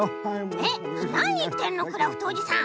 えっなにいってんのクラフトおじさん。